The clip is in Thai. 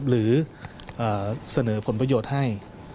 หรือเสนอผลประโยชน์ให้